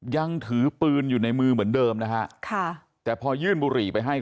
ยังถือปืนอยู่ในมือเหมือนเดิมนะฮะค่ะแต่พอยื่นบุหรี่ไปให้